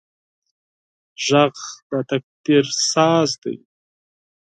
غږ د تقدیر ساز دی